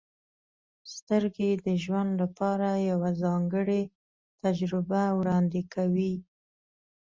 • سترګې د ژوند لپاره یوه ځانګړې تجربه وړاندې کوي.